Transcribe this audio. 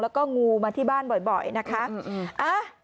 แล้วก็งูมาที่บ้านบ่อยนะคะ